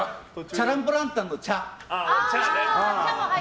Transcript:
チャラン・ポ・ランタンのチャ。